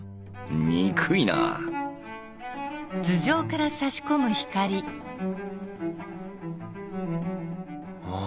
憎いなあ